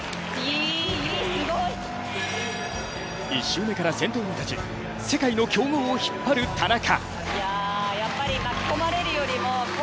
１周目から先頭に立ち世界の強豪を引っ張る田中。